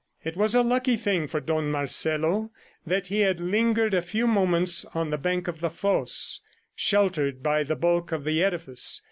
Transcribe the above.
It was a lucky thing for Don Marcelo that he had lingered a few moments on the bank of the fosse, sheltered by the bulk of the edifice.